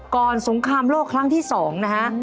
สงครามโลกครั้งที่๒นะฮะ